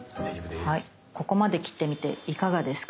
ここまで切ってみていかがですか？